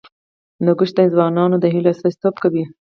هندوکش د ځوانانو د هیلو استازیتوب کوي.